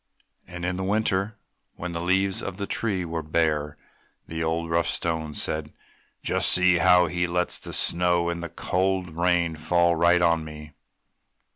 And in the winter time when the limbs of the tree were bare, the old, rough Stone said, "Just see how he lets the snow and the cold rain fall right on me!"